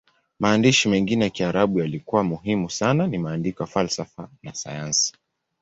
Maandishi mengine ya Kiarabu yaliyokuwa muhimu sana ni maandiko ya falsafa na sayansi.